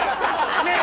ねえ！